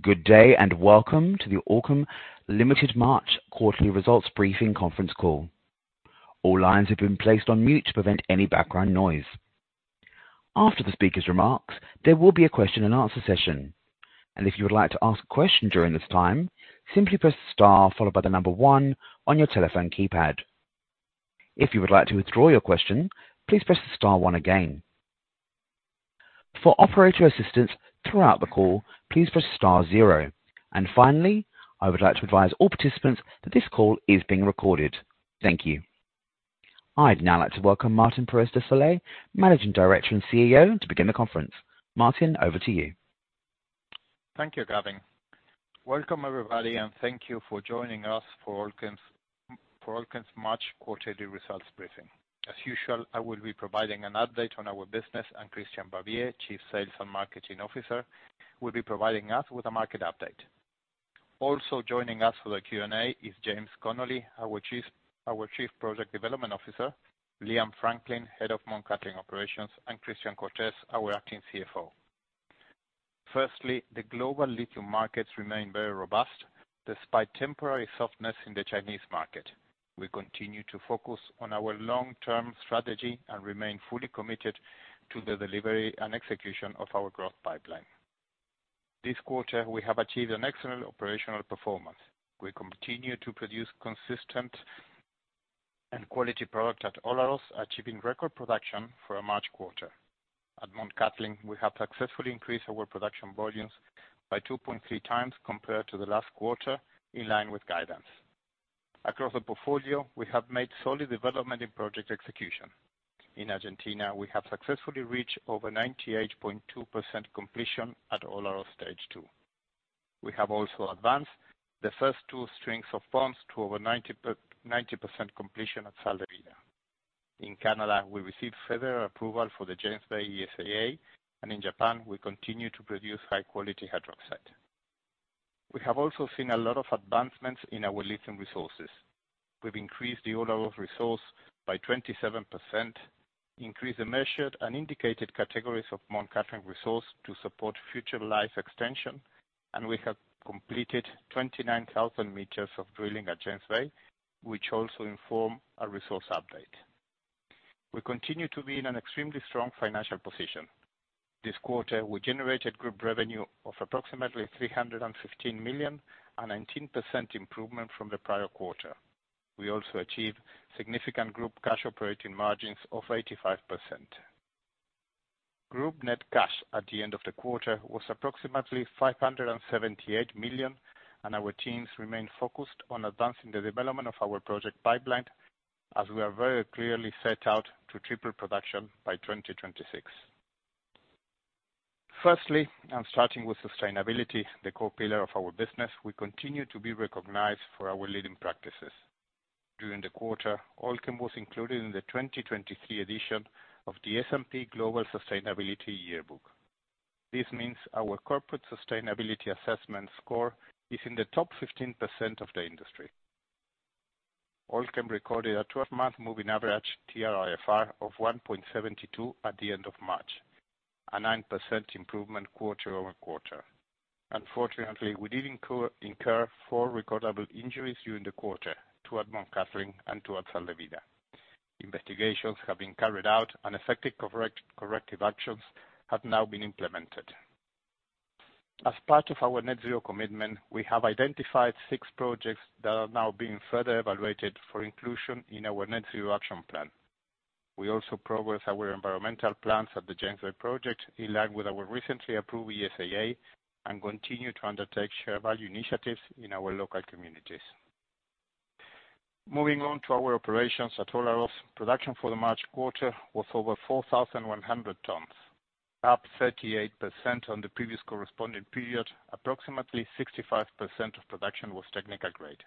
Good day, and welcome to the Allkem Limited March quarterly results briefing conference call. All lines have been placed on mute to prevent any background noise. After the speaker's remarks, there will be a question-and-answer session. If you would like to ask a question during this time, simply press star followed by one on your telephone keypad. If you would like to withdraw your question, please press star one again. For operator assistance throughout the call, please press star zero. Finally, I would like to advise all participants that this call is being recorded. Thank you. I'd now like to welcome Martin Perez de Solay, Managing Director and CEO, to begin the conference. Martin, over to you. Thank you, Gavin. Welcome, everybody, and thank you for joining us for Allkem's March quarterly results briefing. As usual, I will be providing an update on our business, and Christian Barbier, Chief Sales and Marketing Officer, will be providing us with a market update. Also joining us for the Q&A is James Connolly, our Chief Project Development Officer, Liam Franklyn, Head of Mt Cattlin Operations, and Christian Cortes, our Acting CFO. Firstly, the global lithium markets remain very robust despite temporary softness in the Chinese market. We continue to focus on our long-term strategy and remain fully committed to the delivery and execution of our growth pipeline. This quarter, we have achieved an excellent operational performance. We continue to produce consistent and quality product at Olaroz, achieving record production for a March quarter. At Mt Cattlin, we have successfully increased our production volumes by 2.3x compared to the last quarter, in line with guidance. Across the portfolio, we have made solid development in project execution. In Argentina, we have successfully reached over 98.2% completion at Olaroz Stage 2. We have also advanced the first two strings of ponds to over 90% completion at Sal de Vida. In Canada, we received further approval for the James Bay ESIA, and in Japan we continue to produce high quality hydroxide. We have also seen a lot of advancements in our lithium resources. We've increased the Olaroz resource by 27%, increased the measured and indicated categories of Mt Cattlin resource to support future life extension, and we have completed 29,000 meters of drilling at James Bay, which also inform our resource update. We continue to be in an extremely strong financial position. This quarter, we generated group revenue of approximately 315 million, a 19% improvement from the prior quarter. We also achieved significant group cash operating margins of 85%. Group net cash at the end of the quarter was approximately 578 million. Our teams remain focused on advancing the development of our project pipeline as we are very clearly set out to triple production by 2026. Firstly, starting with sustainability, the core pillar of our business, we continue to be recognized for our leading practices. During the quarter, Allkem was included in the 2023 edition of the S&P Global Sustainability Yearbook. This means our corporate sustainability assessment score is in the top 15% of the industry. Allkem recorded a 12-month moving average TRIFR of 1.72 at the end of March, a 9% improvement quarter-over-quarter. Unfortunately, we did incur four recordable injuries during the quarter towards Mt Cattlin and towards Sal de Vida. Investigations have been carried out and effective corrective actions have now been implemented. As part of our net zero commitment, we have identified six projects that are now being further evaluated for inclusion in our net zero action plan. We also progress our environmental plans at the James Bay project in line with our recently approved ESIA and continue to undertake share value initiatives in our local communities. Moving on to our operations at Olaroz. Production for the March quarter was over 4,100 tons, up 38% on the previous corresponding period. Approximately 65% of production was technical grade.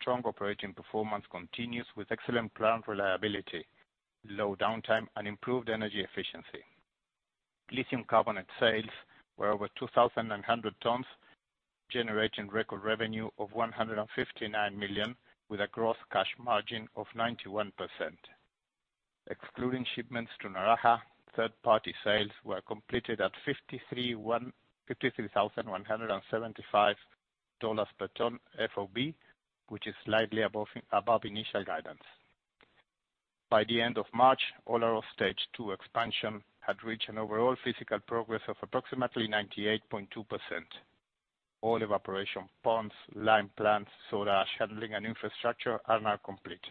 Strong operating performance continues with excellent plant reliability, low downtime, and improved energy efficiency. Lithium carbonate sales were over 2,100 tons, generating record revenue of 159 million, with a gross cash margin of 91%. Excluding shipments to Naraha, third-party sales were completed at 53,175 dollars per ton FOB, which is slightly above initial guidance. By the end of March, Olaroz Stage 2 expansion had reached an overall physical progress of approximately 98.2%. All evaporation ponds, lime plants, solar, shuttling and infrastructure are now complete.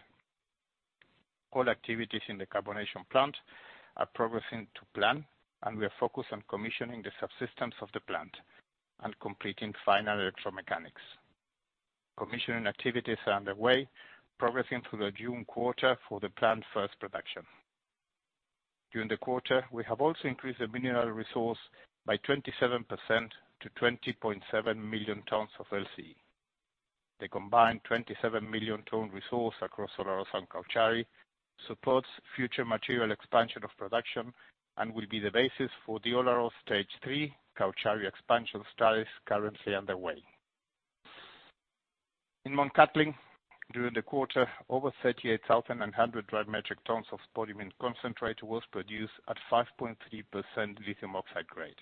All activities in the carbonation plant are progressing to plan. We are focused on commissioning the subsystems of the plant and completing final electromechanics. Commissioning activities are underway, progressing through the June quarter for the plant first production. During the quarter, we have also increased the mineral resource by 27% to 20.7 million tons of LCE. The combined 27 million ton resource across Olaroz and Caucharí supports future material expansion of production and will be the basis for the Olaroz Stage 3 Caucharí expansion studies currently underway. In Mt Cattlin, during the quarter, over 38,100 dry metric tons of spodumene concentrate was produced at 5.3% lithium oxide grade,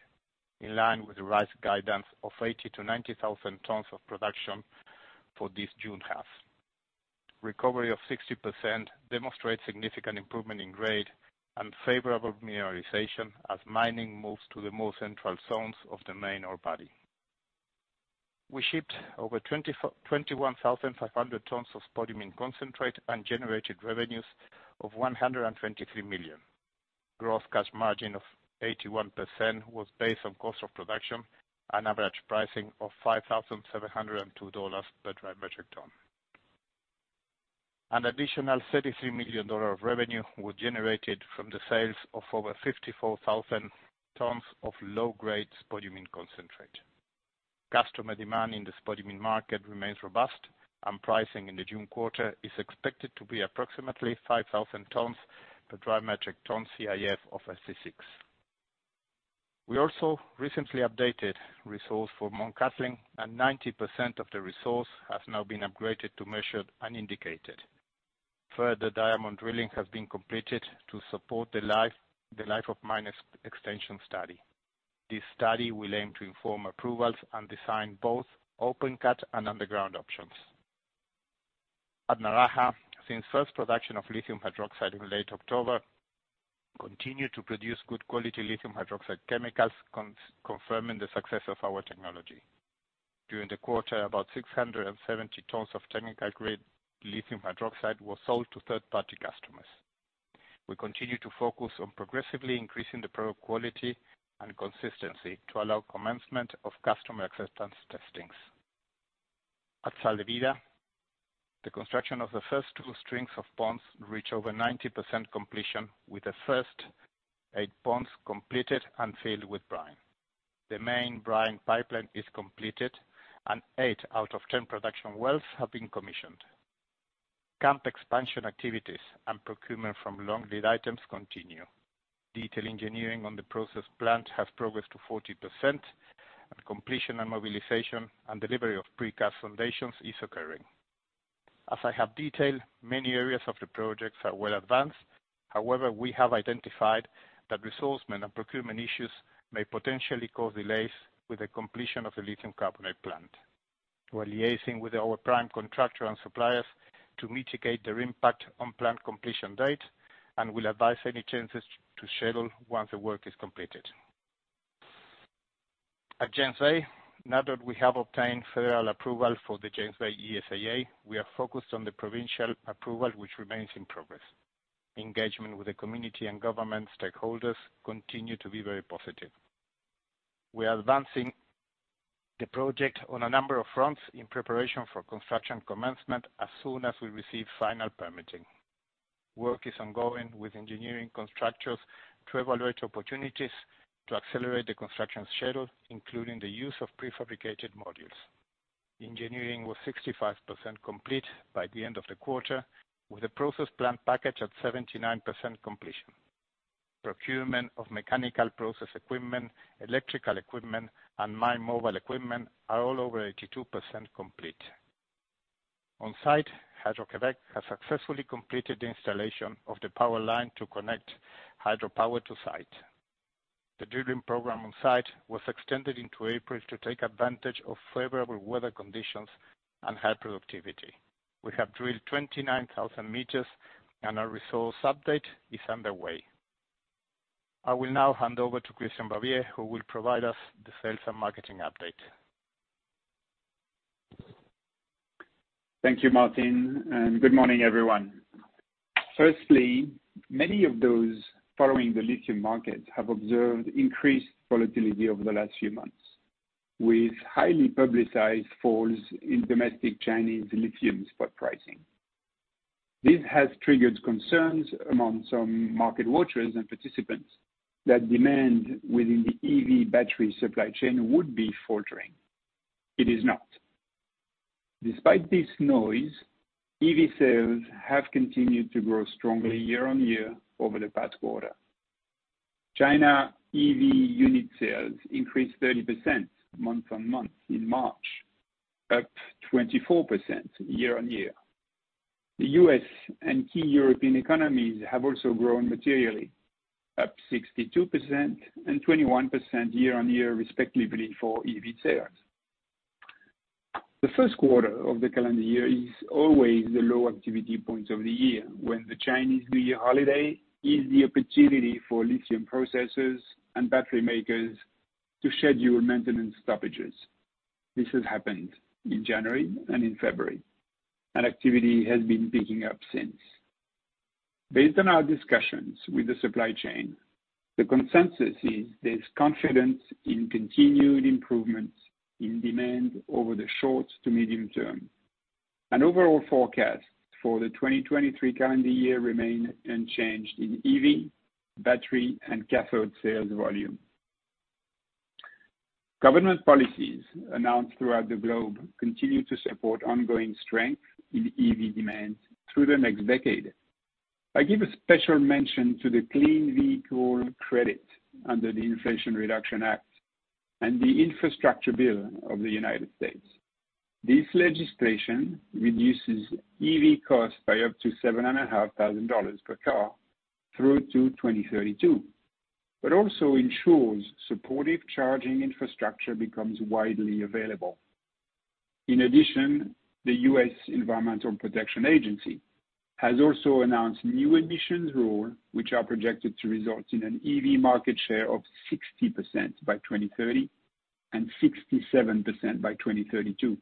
in line with the right guidance of 80,000-90,000 tons of production for this June half. Recovery of 60% demonstrates significant improvement in grade and favorable mineralization as mining moves to the more central zones of the main ore body. We shipped over 21,500 tons of spodumene concentrate and generated revenues of 123 million. Gross cash margin of 81% was based on cost of production and average pricing of 5,702 dollars per dry metric ton. An additional 33 million dollars of revenue was generated from the sales of over 54,000 tons of low-grade spodumene concentrate. Customer demand in the spodumene market remains robust, and pricing in the June quarter is expected to be approximately 5,000 tons per dry metric ton CIF of SC6. We also recently updated resource for Mt Cattlin, and 90% of the resource has now been upgraded to measured and indicated. Further, diamond drilling has been completed to support the life of mine ex-extension study. This study will aim to inform approvals and design both open cut and underground options. At Naraha, since first production of lithium hydroxide in late October, continue to produce good quality lithium hydroxide chemicals, confirming the success of our technology. During the quarter, about 670 tons of technical grade lithium hydroxide was sold to third-party customers. We continue to focus on progressively increasing the product quality and consistency to allow commencement of customer acceptance testings. At Sal de Vida, the construction of the first two strings of ponds reach over 90% completion, with the first eight ponds completed and filled with brine. The main brine pipeline is completed and eight out of 10 production wells have been commissioned. Camp expansion activities and procurement from long lead items continue. Detail engineering on the process plant has progressed to 40%, and completion and mobilization and delivery of precast foundations is occurring. As I have detailed, many areas of the projects are well advanced. We have identified that resource men and procurement issues may potentially cause delays with the completion of the lithium carbonate plant. We're liaising with our prime contractor and suppliers to mitigate their impact on plant completion date and will advise any changes to schedule once the work is completed. At James Bay, now that we have obtained federal approval for the James Bay ESIA, we are focused on the provincial approval which remains in progress. Engagement with the community and government stakeholders continue to be very positive. We are advancing the project on a number of fronts in preparation for construction commencement as soon as we receive final permitting. Work is ongoing with engineering constructors to evaluate opportunities to accelerate the construction schedule, including the use of prefabricated modules. Engineering was 65% complete by the end of the quarter, with the process plant package at 79% completion. Procurement of mechanical process equipment, electrical equipment, and mine mobile equipment are all over 82% complete. On-site, Hydro-Québec has successfully completed the installation of the power line to connect hydropower to site. The drilling program on-site was extended into April to take advantage of favorable weather conditions and high productivity. We have drilled 29,000 meters and our resource update is underway. I will now hand over to Christian Barbier, who will provide us the sales and marketing update. Thank you, Martin. Good morning, everyone. Firstly, many of those following the lithium market have observed increased volatility over the last few months, with highly publicized falls in domestic Chinese lithium spot pricing. This has triggered concerns among some market watchers and participants that demand within the EV battery supply chain would be faltering. It is not. Despite this noise, EV sales have continued to grow strongly year-on-year over the past quarter. China EV unit sales increased 30% month-on-month in March, up 24% year-on-year. The US and key European economies have also grown materially, up 62% and 21% year-on-year, respectively, for EV sales. The first quarter of the calendar year is always the low activity points of the year, when the Chinese New Year holiday is the opportunity for lithium processors and battery makers to schedule maintenance stoppages. This has happened in January and in February, and activity has been picking up since. Based on our discussions with the supply chain, the consensus is there's confidence in continued improvements in demand over the short to medium term. Overall forecast for the 2023 calendar year remain unchanged in EV, battery, and cathode sales volume. Government policies announced throughout the globe continue to support ongoing strength in EV demand through the next decade. I give a special mention to the Clean Vehicle Credit under the Inflation Reduction Act and the Infrastructure Bill of the United States. This legislation reduces EV costs by up to 7,500 dollars per car through to 2032, but also ensures supportive charging infrastructure becomes widely available. In addition, the U.S. Environmental Protection Agency has also announced new emissions rule, which are projected to result in an EV market share of 60% by 2030 and 67% by 2032.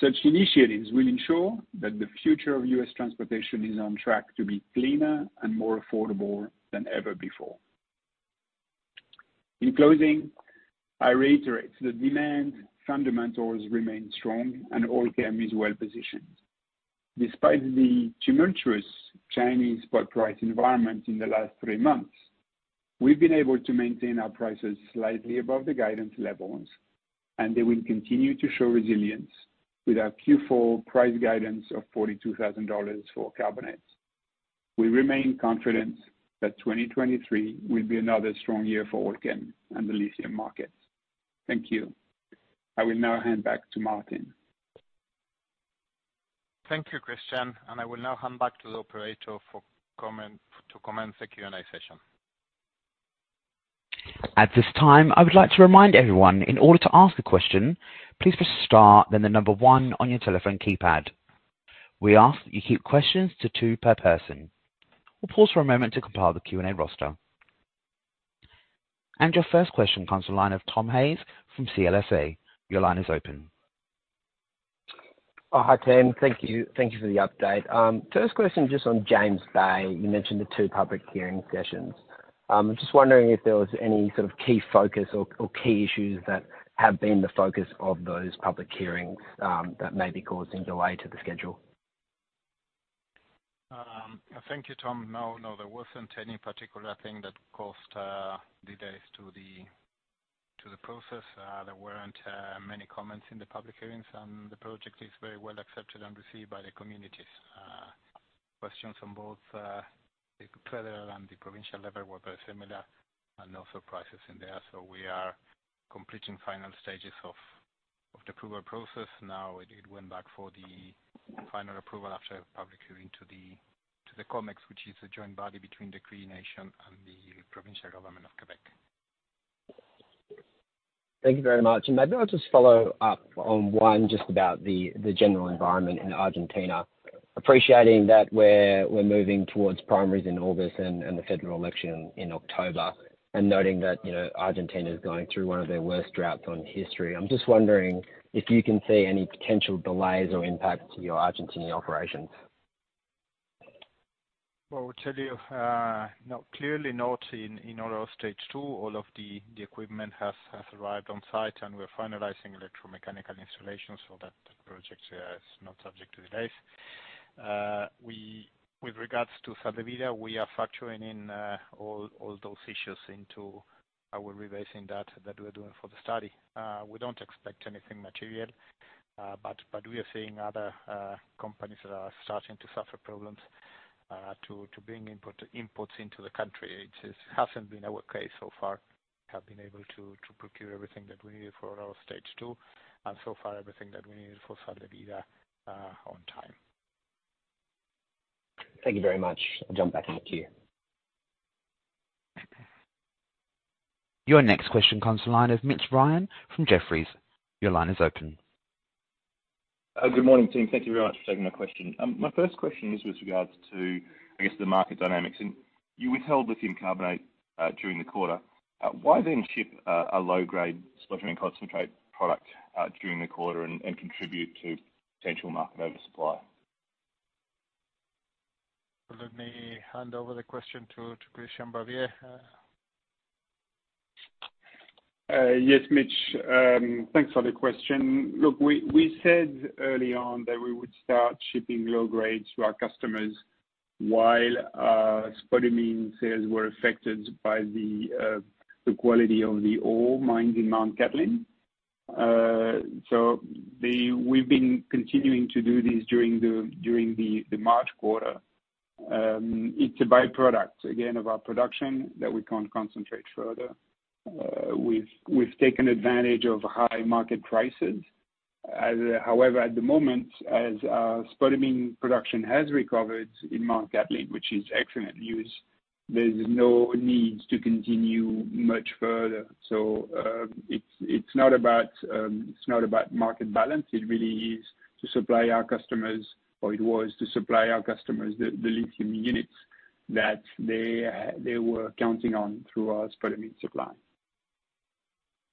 Such initiatives will ensure that the future of U.S. transportation is on track to be cleaner and more affordable than ever before. In closing, I reiterate the demand fundamentals remain strong and Allkem is well-positioned. Despite the tumultuous Chinese spot price environment in the last three months, we've been able to maintain our prices slightly above the guidance levels, and they will continue to show resilience with our Q4 price guidance of 42,000 dollars for carbonates. We remain confident that 2023 will be another strong year for Allkem and the lithium markets. Thank you. I will now hand back to Martin. Thank you, Christian, and I will now hand back to the operator for comment, to commence the Q&A session. At this time, I would like to remind everyone, in order to ask a question, please press star then the number one on your telephone keypad. We ask that you keep questions to two per person. We'll pause for a moment to compile the Q&A roster. Your first question comes to the line of Tom Hayes from CLSA. Your line is open. Oh, hi, team. Thank you. Thank you for the update. First question, just on James Bay, you mentioned the two public hearing sessions. Just wondering if there was any sort of key focus or key issues that have been the focus of those public hearings, that may be causing delay to the schedule. Thank you, Tom. No, there wasn't any particular thing that caused delays to the process. There weren't many comments in the public hearings, and the project is very well accepted and received by the communities. Questions on both the federal and the provincial level were very similar and also prices in there. We are completing final stages of the approval process. Now, it went back for the final approval after public hearing to the COMEX, which is a joint body between the Cree Nation and the provincial government of Quebec. Thank you very much. Maybe I'll just follow up on one just about the general environment in Argentina. Appreciating that we're moving towards primaries in August and the federal election in October and noting that, you know, Argentina is going through one of their worst droughts on history. I'm just wondering if you can see any potential delays or impact to your Argentinian operations. Well, I will tell you, no, clearly not in Olaroz Stage 2. All of the equipment has arrived on site, and we're finalizing electromechanical installations for that project, is not subject to delays. With regards to Sal de Vida, we are factoring in all those issues into our revision that we're doing for the study. We don't expect anything material, but we are seeing other companies that are starting to suffer problems to bring input, imports into the country. It just hasn't been our case so far. We have been able to procure everything that we need for Olaroz Stage 2 and so far everything that we needed for Sal de Vida on time. Thank you very much. I'll jump back in the queue. Your next question comes to the line of Mitch Ryan from Jefferies. Your line is open. Good morning, team. Thank you very much for taking my question. My first question is with regards to, I guess, the market dynamics. You withheld lithium carbonate during the quarter. Why then ship a low grade spodumene concentrate product during the quarter and contribute to potential market oversupply? Let me hand over the question to Christian Barbier. Yes, Mitch. Thanks for the question. We said early on that we would start shipping low grade to our customers while spodumene sales were affected by the quality of the ore mined in Mt Cattlin. We've been continuing to do this during the March quarter. It's a by-product, again, of our production that we can't concentrate further. We've taken advantage of high market prices. However, at the moment, as spodumene production has recovered in Mt Cattlin, which is excellent news, there's no need to continue much further. It's not about market balance. It really is to supply our customers, or it was to supply our customers the lithium units that they were counting on through our spodumene supply.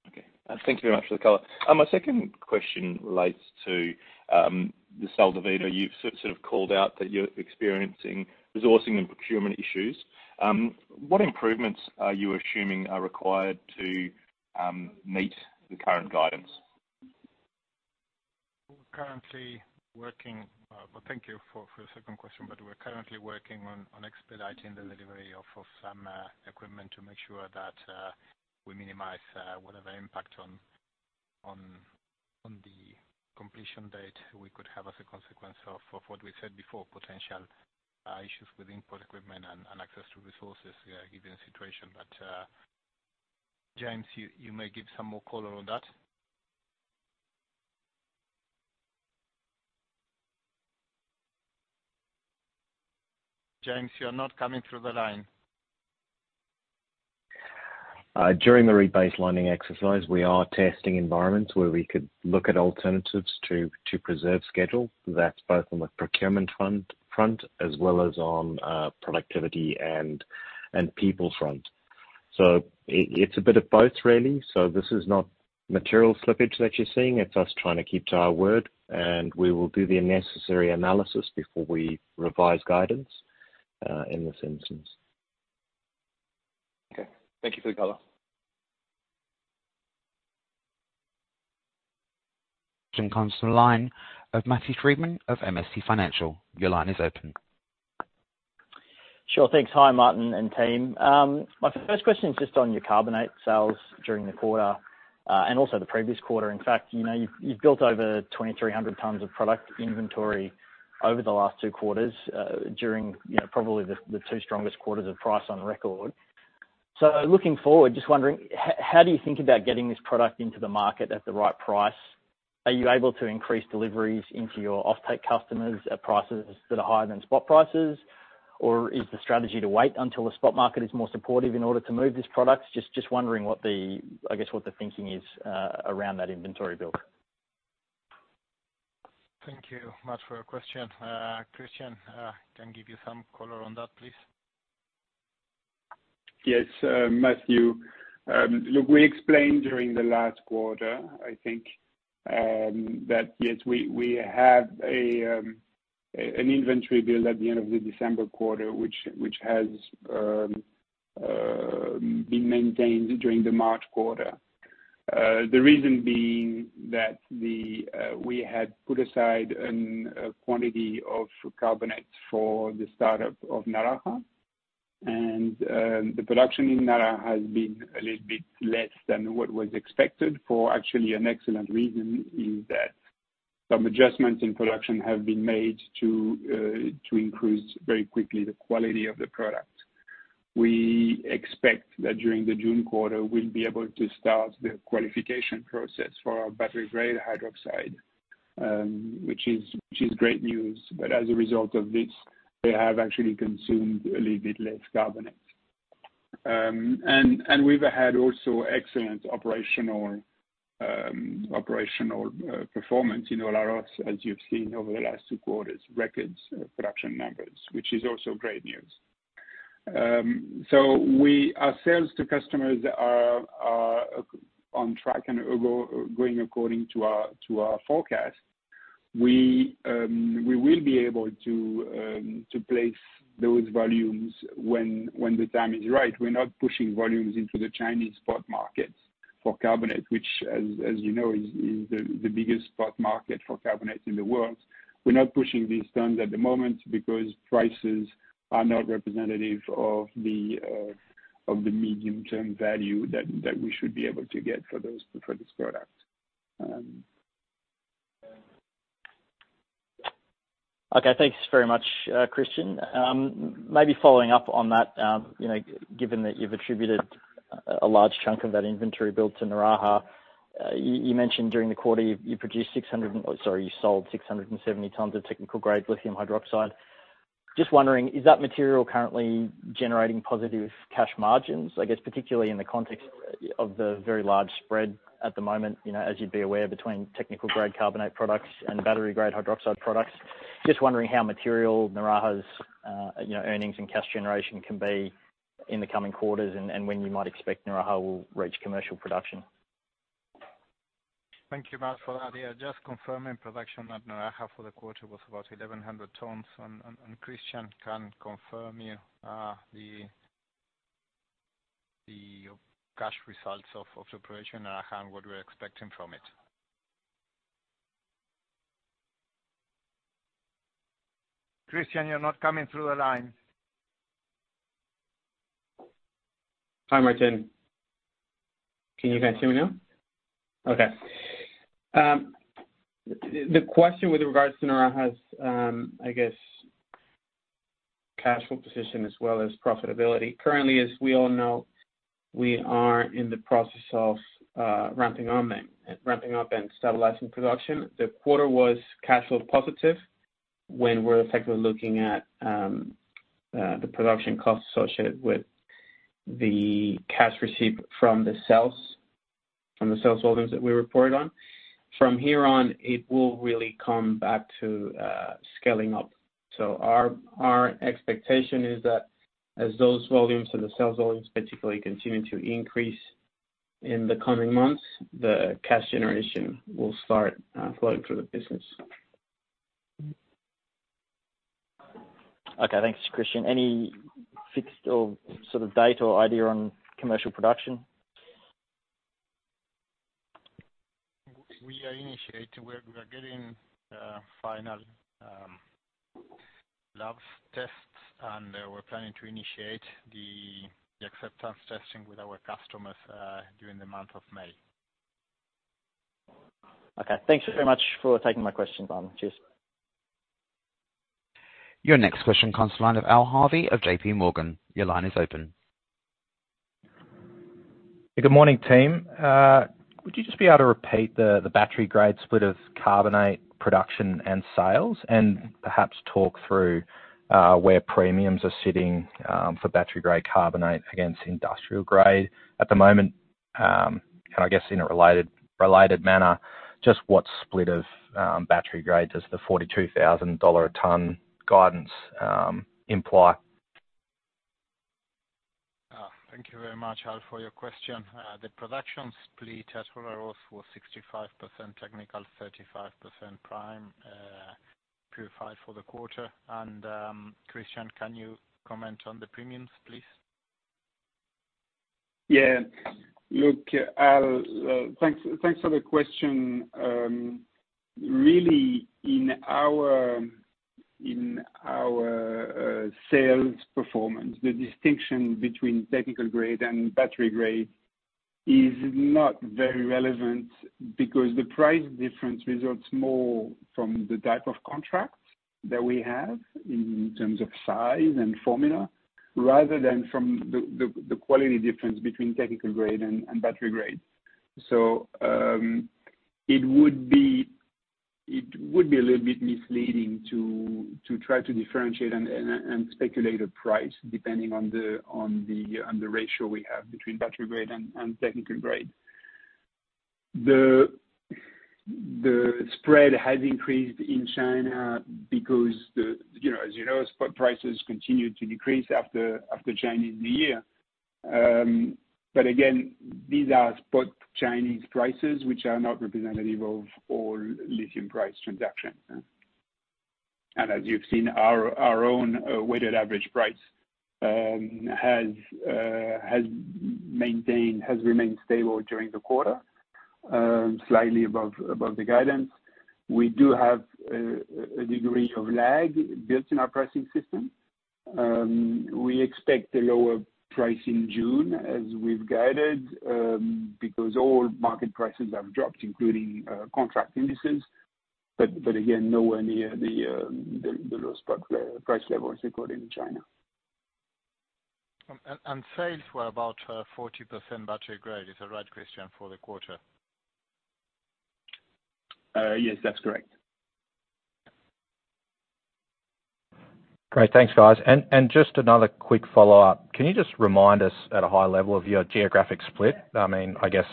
Okay. Thank you very much for the color. My second question relates to the Sal de Vida. You've sort of called out that you're experiencing resourcing and procurement issues. What improvements are you assuming are required to meet the current guidance? We're currently working well, thank you for the second question, but we're currently working on expediting the delivery of some equipment to make sure that we minimize whatever impact on the completion date we could have as a consequence of what we said before, potential issues with input equipment and access to resources, given the situation. James, you may give some more color on that. James, you're not coming through the line. During the rebaselining exercise, we are testing environments where we could look at alternatives to preserve schedule. That's both on the procurement front as well as on productivity and people front. It's a bit of both really. This is not material slippage that you're seeing, it's us trying to keep to our word, and we will do the necessary analysis before we revise guidance in this instance. Okay. Thank you for the color. Question comes from the line of Matthew Frydman of MST Financial. Your line is open. Sure. Thanks. Hi, Martin and team. My first question is just on your carbonate sales during the quarter, and also the previous quarter. In fact, you know, you've built over 2,300 tons of product inventory over the last two quarters, during, you know, probably the two strongest quarters of price on record. Looking forward, just wondering, how do you think about getting this product into the market at the right price? Are you able to increase deliveries into your offtake customers at prices that are higher than spot prices? Or is the strategy to wait until the spot market is more supportive in order to move these products? Just wondering what the, I guess, what the thinking is around that inventory build. Thank you, Matt, for your question. Christian, can give you some color on that, please. Yes, Matthew. Look, we explained during the last quarter, I think, that yes, we have a, an inventory build at the end of the December quarter, which has been maintained during the March quarter. The reason being that the, we had put aside an quantity of carbonate for the startup of Naraha. The production in Naraha has been a little bit less than what was expected for actually an excellent reason, is that some adjustments in production have been made to improve very quickly the quality of the product. We expect that during the June quarter we'll be able to start the qualification process for our battery-grade hydroxide, which is great news. As a result of this, they have actually consumed a little bit less carbonate. We've had also excellent operational performance in Olaroz, as you've seen over the last two quarters. Record production numbers, which is also great news. Our sales to customers are on track and going according to our forecast. We will be able to place those volumes when the time is right. We're not pushing volumes into the Chinese spot markets for carbonate, which, as you know, is the biggest spot market for carbonate in the world. We're not pushing these tons at the moment because prices are not representative of the medium-term value that we should be able to get for this product. Okay, thanks very much, Christian. Maybe following up on that, you know, given that you've attributed a large chunk of that inventory build to Naraha, you mentioned during the quarter you produced six hundred and sorry, you sold 670 tons of technical grade lithium hydroxide. Just wondering, is that material currently generating positive cash margins, I guess particularly in the context of the very large spread at the moment, you know, as you'd be aware, between technical grade carbonate products and battery grade hydroxide products? Just wondering how material Naraha's, you know, earnings and cash generation can be in the coming quarters and when you might expect Naraha will reach commercial production. Thank you, Matt, for that. Yeah, just confirming production at Naraha for the quarter was about 1,100 tons. Christian can confirm you the cash results of the operation at hand, what we're expecting from it. Christian, you're not coming through the line. Hi, Martin. Can you guys hear me now? Okay. The question with regards to Naraha's, I guess cash flow position as well as profitability, currently, as we all know, we are in the process of ramping up and stabilizing production. The quarter was cash flow positive when we're effectively looking at the production costs associated with the cash received from the sales volumes that we reported on. From here on, it will really come back to scaling up. Our expectation is that as those volumes or the sales volumes particularly continue to increase in the coming months, the cash generation will start flowing through the business. Okay, thanks, Christian. Any fixed or sort of date or idea on commercial production? We are initiating. We're getting final Laves tests, and we're planning to initiate the acceptance testing with our customers during the month of May. Okay. Thanks very much for taking my questions, Martin. Cheers. Your next question comes line of Al Harvey of JPMorgan. Your line is open. Good morning, team. Would you just be able to repeat the battery grade split of carbonate production and sales? Perhaps talk through where premiums are sitting for battery grade carbonate against industrial grade at the moment. I guess in a related manner, just what split of battery grade does the 42,000 dollar a ton guidance imply? Thank you very much, Al, for your question. The production split at Olaroz was 65% technical, 35% prime, purified for the quarter. Christian, can you comment on the premiums, please? Yeah. Look, Al, thanks for the question. Really in our sales performance, the distinction between technical grade and battery grade is not very relevant because the price difference results more from the type of contract that we have in terms of size and formula rather than from the quality difference between technical grade and battery grade. It would be a little bit misleading to try to differentiate and speculate a price depending on the ratio we have between battery grade and technical grade. The spread has increased in China because You know, as you know, spot prices continued to decrease after Chinese New Year. Again, these are spot Chinese prices, which are not representative of all lithium price transactions. As you've seen our own weighted average price has remained stable during the quarter, slightly above the guidance. We do have a degree of lag built in our pricing system. We expect a lower price in June as we've guided because all market prices have dropped, including contract indices. Again, nowhere near the low spot price levels recorded in China. Sales were about 40% battery grade. Is that right, Christian, for the quarter? Yes, that's correct. Great. Thanks, guys. Just another quick follow-up. Can you just remind us at a high level of your geographic split? I mean, I guess,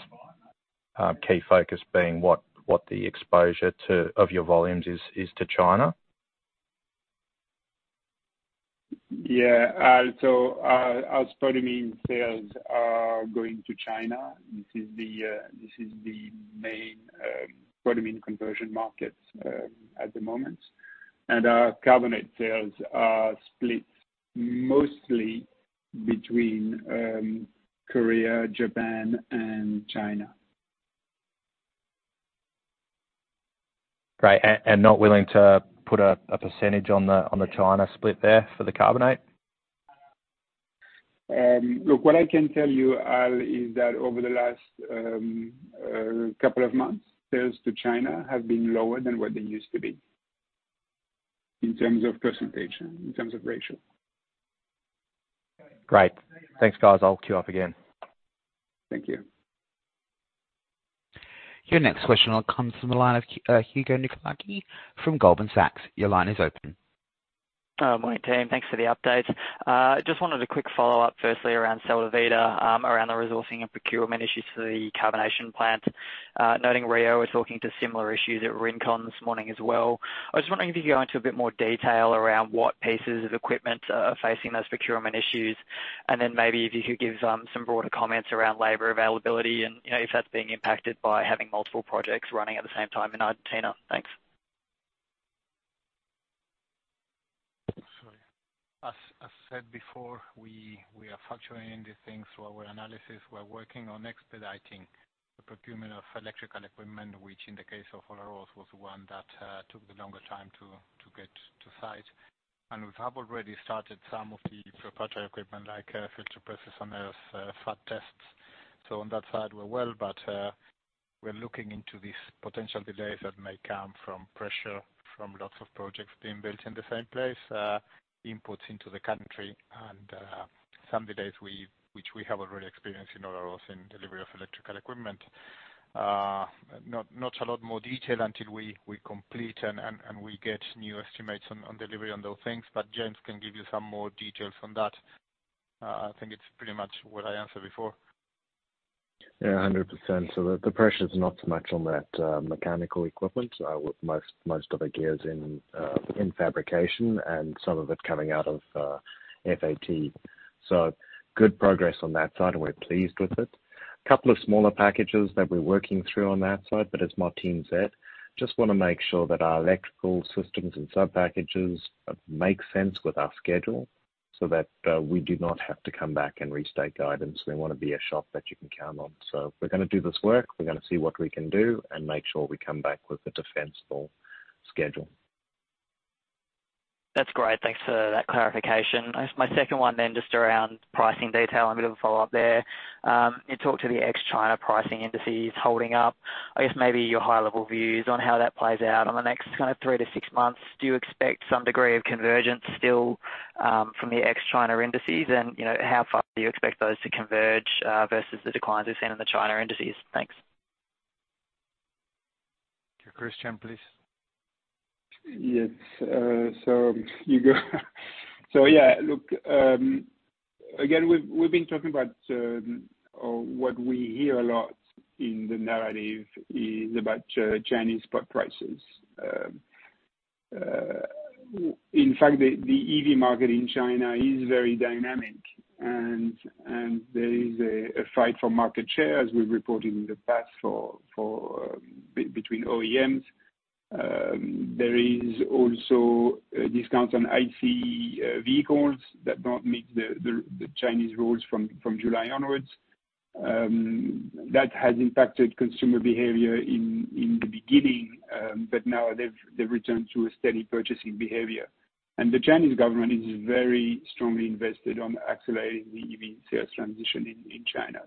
key focus being what the exposure to, of your volumes is to China. Yeah. Al, our spodumene sales are going to China. This is the main spodumene conversion market at the moment. Our carbonate sales are split mostly between Korea, Japan and China. Great. And not willing to put a percentage on the, on the China split there for the carbonate? Look, what I can tell you, Al, is that over the last couple of months, sales to China have been lower than what they used to be in terms of presentation, in terms of ratio. Great. Thanks, guys. I'll queue up again. Thank you. Your next question will comes from the line of Hugo Nicolaci from Goldman Sachs. Your line is open. Morning, team. Thanks for the update. Just wanted a quick follow-up, firstly around Sal de Vida, around the resourcing and procurement issues for the carbonation plant. Noting Rio was talking to similar issues at Rincon this morning as well. I was wondering if you could go into a bit more detail around what pieces of equipment are facing those procurement issues. Then maybe if you could give some broader comments around labor availability and, you know, if that's being impacted by having multiple projects running at the same time in Argentina. Thanks. Sorry. As I said before, we are factoring in these things through our analysis. We're working on expediting the procurement of electrical equipment, which in the case of Olaroz, was one that took the longer time to get to site. We have already started some of the proprietary equipment, like filter presses and FAT tests. On that side, we're well, but we're looking into these potential delays that may come from pressure from lots of projects being built in the same place, inputs into the country and some delays which we have already experienced in Olaroz in delivery of electrical equipment. Not a lot more detail until we complete and we get new estimates on delivery on those things. James can give you some more details on that. I think it's pretty much what I answered before. Yeah, 100%. The pressure's not so much on that mechanical equipment. With most of the gears in fabrication and some of it coming out of FAT. Good progress on that side, and we're pleased with it. Couple of smaller packages that we're working through on that side, but as Martin said, just wanna make sure that our electrical systems and subpackages make sense with our schedule. We do not have to come back and restate guidance. We wanna be a shop that you can count on. We're gonna do this work, we're gonna see what we can do, and make sure we come back with a defensible schedule. That's great. Thanks for that clarification. I guess my second one then, just around pricing detail and a bit of a follow-up there. You talked to the ex-China pricing indices holding up. I guess maybe your high level views on how that plays out on the next kind of three to six months. Do you expect some degree of convergence still from the ex-China indices? You know, how far do you expect those to converge versus the declines we've seen in the China indices? Thanks. Christian, please. Yes. So Hugo. So yeah, look, again, we've been talking about what we hear a lot in the narrative is about Chinese spot prices. In fact, the EV market in China is very dynamic and there is a fight for market share as we've reported in the past for between OEMs. There is also a discount on ICE vehicles that don't meet the, the Chinese rules from July onwards. That has impacted consumer behavior in the beginning, but now they've returned to a steady purchasing behavior. The Chinese government is very strongly invested on accelerating the EV sales transition in China.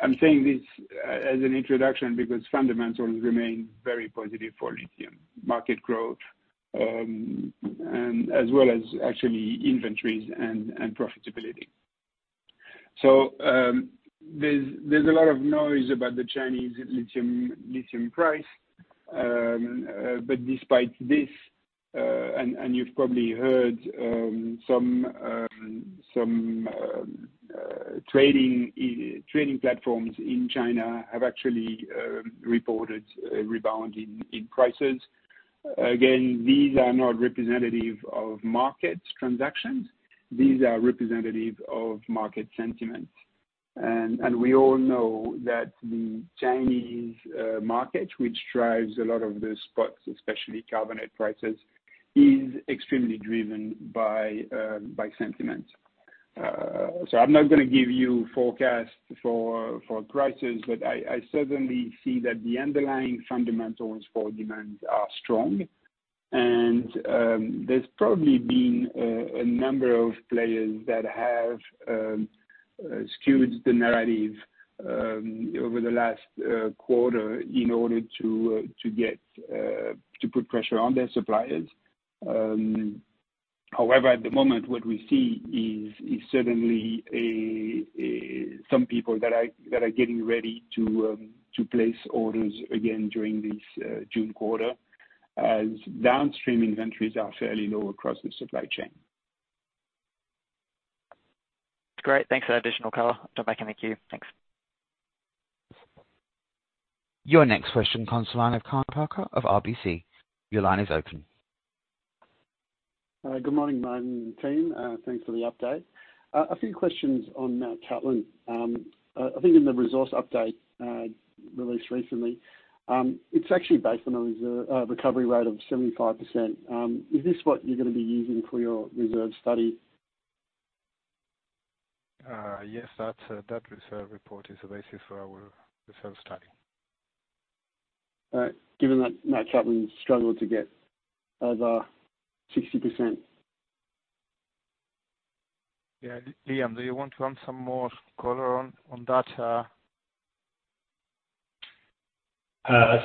I'm saying this as an introduction because fundamentals remain very positive for lithium market growth, and as well as actually inventories and profitability. There's a lot of noise about the Chinese lithium price. Despite this, and you've probably heard some trading platforms in China have actually reported a rebound in prices. Again, these are not representative of market transactions. These are representative of market sentiments. We all know that the Chinese market, which drives a lot of the spots, especially carbonate prices, is extremely driven by sentiment. I'm not gonna give you forecast for prices, but I certainly see that the underlying fundamentals for demand are strong. There's probably been a number of players that have skewed the narrative over the last quarter in order to get to put pressure on their suppliers. However, at the moment, what we see is certainly some people that are getting ready to place orders again during this June quarter, as downstream inventories are fairly low across the supply chain. Great. Thanks for that additional color. I'll drop back in the queue. Thanks. Your next question comes the line of Kaan Peker of RBC. Your line is open. Good morning, Martin and team. Thanks for the update. A few questions on Mt Cattlin. I think in the resource update released recently, it's actually based on a recovery rate of 75%. Is this what you're gonna be using for your reserve study? Yes. That reserve report is the basis for our reserve study. All right. Given that Mt Cattlin struggled to get over 60%. Yeah. Liam, do you want to run some more color on that?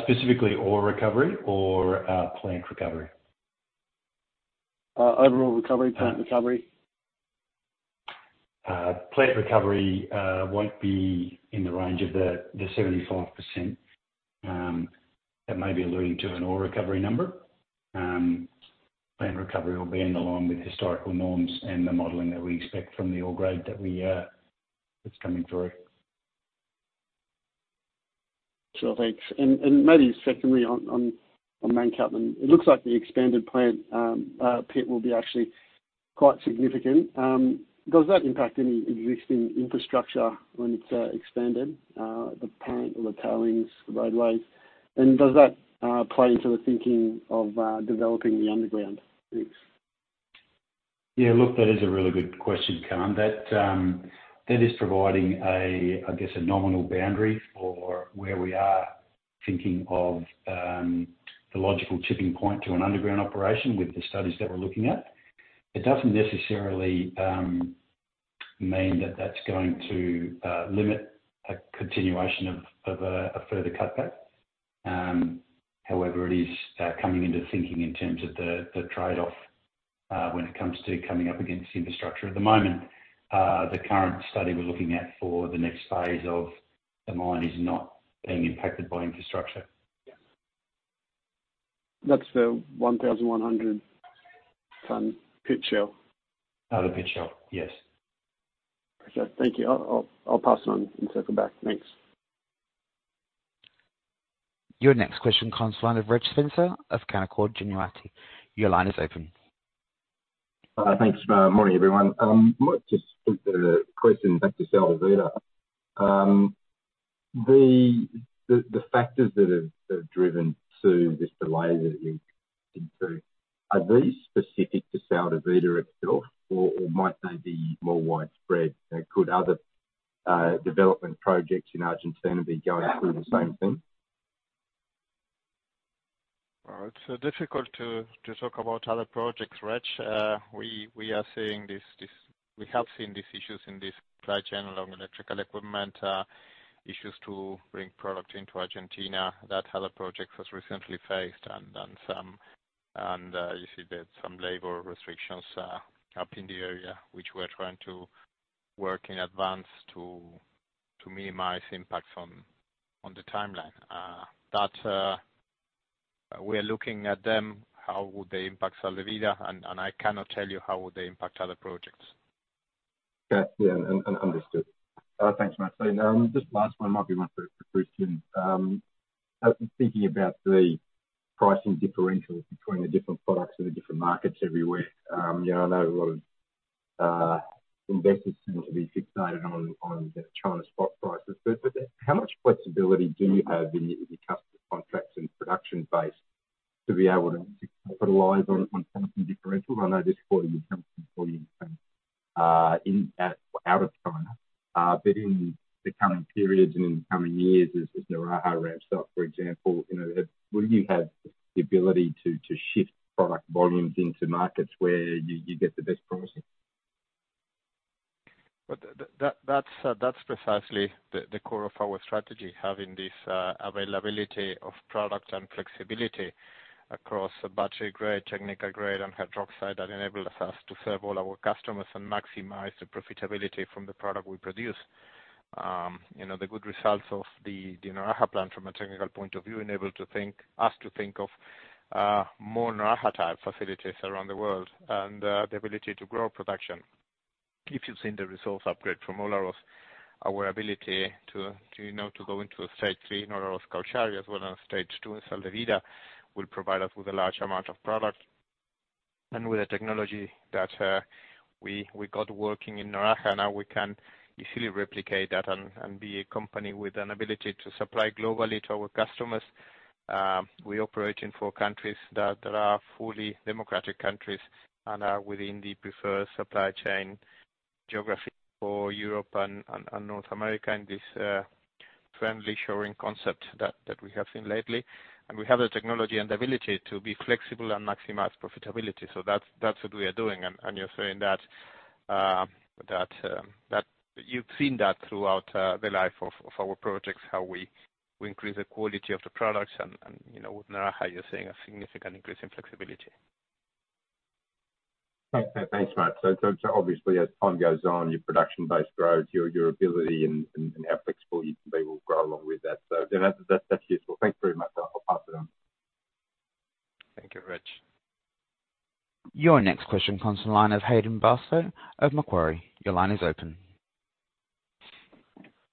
Specifically ore recovery or plant recovery? Overall recovery, plant recovery. Plant recovery won't be in the range of the 75%. That may be alluding to an ore recovery number. Plant recovery will be in along with historical norms and the modeling that we expect from the ore grade that we that's coming through. Sure. Thanks. Maybe secondly on main topic, it looks like the expanded plant pit will be actually quite significant. Does that impact any existing infrastructure when it's expanded, the plant or the tailings, the roadways? Does that play into the thinking of developing the underground? Thanks. Yeah. Look, that is a really good question, Kaan. That, that is providing a, I guess, a nominal boundary for where we are thinking of the logical tipping point to an underground operation with the studies that we're looking at. It doesn't necessarily mean that that's going to limit a continuation of a further cutback. However, it is coming into thinking in terms of the trade-off when it comes to coming up against the infrastructure. At the moment, the current study we're looking at for the next phase of the mine is not being impacted by infrastructure. That's the 1,100 ton pit shell. The pit shell. Yes. Okay. Thank you. I'll pass it on and circle back. Thanks. Your next question comes the line of Reg Spencer of Canaccord Genuity. Your line is open. Thanks. Morning, everyone. Might just put the question back to Sal de Vida. The factors that have driven to this delay that you're into, are these specific to Sal de Vida itself, or might they be more widespread? Could other development projects in Argentina be going through the same thing? Well, it's difficult to talk about other projects, Reg. We have seen these issues in this supply chain along electrical equipment, issues to bring product into Argentina that other projects have recently faced and then some. You see that some labor restrictions up in the area, which we're trying to work in advance to minimize impacts on the timeline. That we are looking at them, how would they impact Sal de Vida, and I cannot tell you how would they impact other projects. Okay. Understood. Thanks, Martin. Just last one, might be one for Christian. I was thinking about the pricing differentials between the different products and the different markets everywhere. You know, I know a lot of investors seem to be fixated on the China spot prices. How much flexibility do you have in your customer contracts and production base to be able to capitalize on pricing differentials? I know this quarter you came from 40% out of China. In the coming periods and in the coming years, as Naraha ramps up, for example, you know, will you have the ability to shift product volumes into markets where you get the best pricing? That, that's precisely the core of our strategy, having this availability of product and flexibility across a battery grade, technical grade, and hydroxide that enables us to serve all our customers and maximize the profitability from the product we produce. You know, the good results of the Naraha plant from a technical point of view enable us to think of more Naraha type facilities around the world and the ability to grow production. If you've seen the results upgrade from Olaroz, our ability to, you know, to go into a stage three in Olaroz Caucharí as well as stage two in Sal de Vida will provide us with a large amount of product. With the technology that we got working in Naraha, now we can easily replicate that and be a company with an ability to supply globally to our customers. We operate in four countries that are fully democratic countries and are within the preferred supply chain geography for Europe and North America in this friendlyshoring concept that we have seen lately. We have the technology and the ability to be flexible and maximize profitability. That's what we are doing. You're seeing that you've seen that throughout the life of our projects, how we increase the quality of the products and, you know, with Naraha, you're seeing a significant increase in flexibility. Thanks. Thanks, Martin. Obviously, as time goes on, your production base grows, your ability and how flexible you can be will grow along with that. That's useful. Thanks very much. I'll pass it on. Thank you, Reg. Your next question comes from the line of Hayden Bairstow of Macquarie. Your line is open.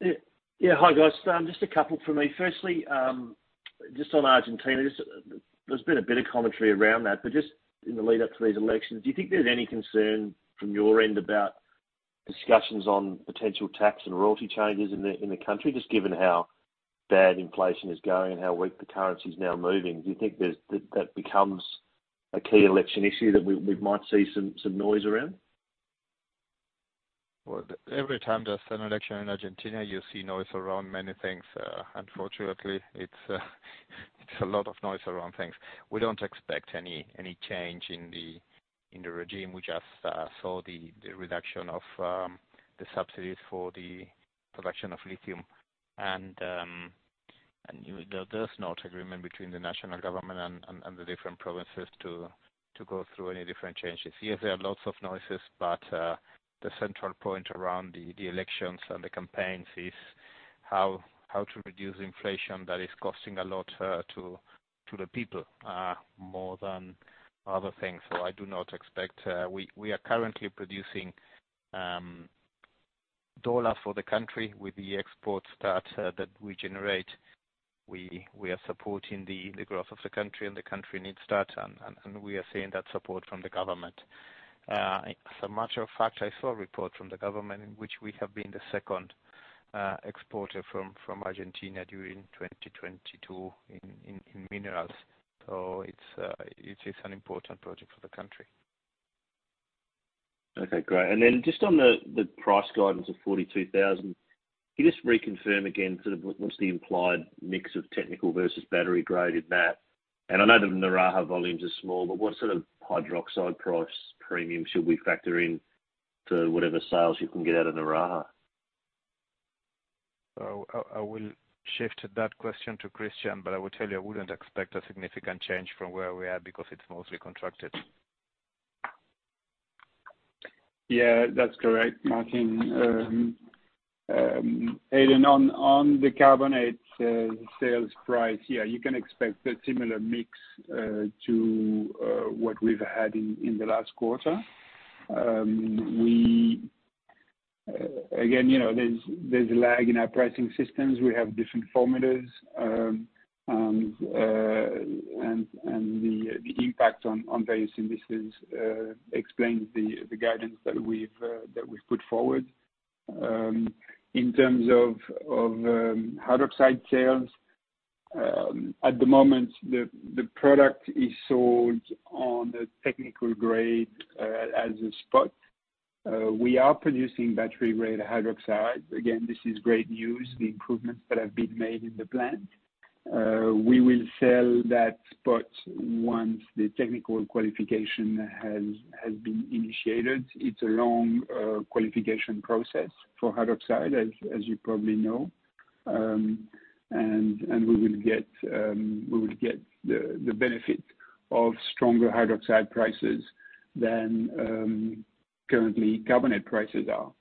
Yeah. Yeah. Hi, guys. Just a couple from me. Firstly, just on Argentina, there's been a bit of commentary around that, but just in the lead up to these elections, do you think there's any concern from your end about discussions on potential tax and royalty changes in the country, just given how bad inflation is going and how weak the currency is now moving? Do you think that becomes a key election issue that we might see some noise around? Well, every time there's an election in Argentina, you see noise around many things. Unfortunately, it's a lot of noise around things. We don't expect any change in the regime. We just saw the reduction of the subsidies for the production of lithium. You know there's not agreement between the national government and the different provinces to go through any different changes. Yes, there are lots of noises, but the central point around the elections and the campaigns is how to reduce inflation that is costing a lot to the people more than other things. I do not expect. We are currently producing dollar for the country with the exports that we generate. We are supporting the growth of the country, and the country needs that, and we are seeing that support from the government. As a matter of fact, I saw a report from the government in which we have been the second exporter from Argentina during 2022 in minerals. It is an important project for the country. Okay, great. Just on the price guidance of 42,000, can you just reconfirm again sort of what's the implied mix of technical versus battery grade in that? I know the Naraha volumes are small, but what sort of hydroxide price premium should we factor in to whatever sales you can get out of Naraha? I will shift that question to Christian, but I will tell you, I wouldn't expect a significant change from where we are because it's mostly contracted. Yeah, that's correct, Martin. Hayden, on the carbonate sales price, yeah, you can expect a similar mix to what we've had in the last quarter. Again, you know, there's a lag in our pricing systems. We have different formulas. The impact on various indices explains the guidance that we've put forward. In terms of hydroxide sales, at the moment, the product is sold on a technical grade as a spot. We are producing battery grade hydroxide. Again, this is great news, the improvements that have been made in the plant. We will sell that spot once the technical qualification has been initiated. It's a long qualification process for hydroxide, as you probably know. We will get the benefit of stronger hydroxide prices than currently carbonate prices are.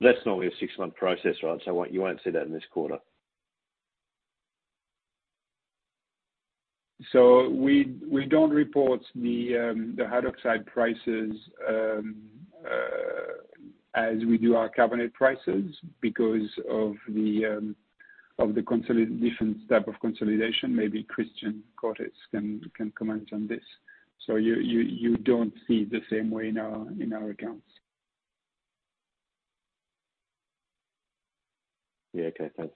That's normally a six-month process, right? You won't see that in this quarter. We don't report the hydroxide prices as we do our carbonate prices because of the different type of consolidation. Maybe Christian Cortes can comment on this. You don't see it the same way in our accounts. Yeah. Okay. Thanks.